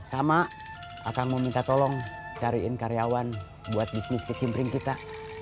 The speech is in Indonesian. sama akan meminta tolong cariin karyawan buat bisnis kesimpring kita